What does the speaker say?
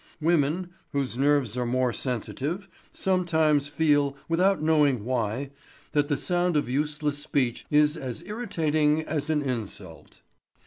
Women, whose nerves are more sensitive, sometimes feel, without knowing why, that the sound of useless speech is as irritating as an insult.